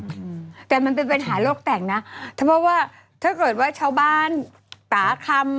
เพราะว่าอย่างนั้นเครื่องบินมา